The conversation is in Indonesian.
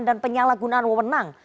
dan penyalahgunaan wawonang